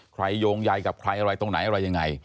โยงใยกับใครอะไรตรงไหนอะไรยังไง